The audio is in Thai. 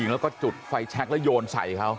แล้วก็จุดไฟแช็คแล้วโยนใส่เขา